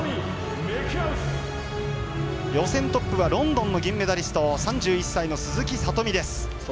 予選トップはロンドンの銀メダリスト３１歳の鈴木聡美です。